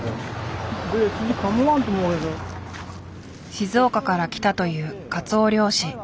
静岡から来たというカツオ漁師。